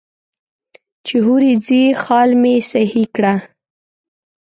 چې هورې ځې خال مې سهي کړه.